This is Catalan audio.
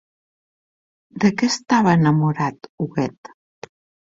De què estava enamorat Huguet?